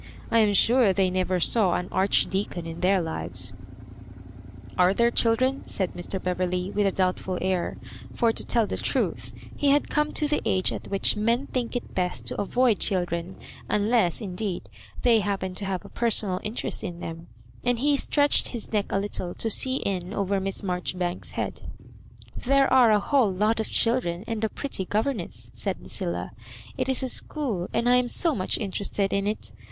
I am sure they never saw an Archdeacon in their livesL*' "Are there children?" said Mr. Beverley, with a doubtful air; for, to tell the truth, he had come to the age at which men think it best to avoid children, unless, indeed, they happen to have a personal interest in them; and he stretched bis neck a little to see in over Miss r Maijoribanks*8 head. "There are a whole lot of children and a pret ty governess," said Lucilla. " It is a school, and I am so much interested in it.